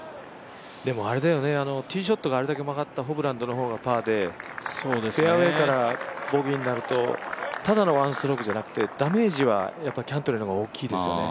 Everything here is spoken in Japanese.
でもティーショットがあれだけ曲がったホブランドの方がパーで、フェアウエーからボギーになると、ただの１ストロークじゃなくて、ダメージはキャントレーの方が大きいですよね。